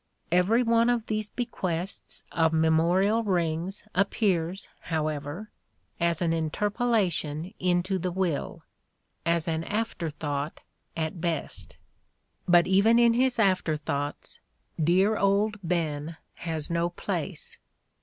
Every one of these bequests of memorial rings appears, however, as an interpolation into the will : as an afterthought at best. But even in his afterthoughts dear old Ben has no place.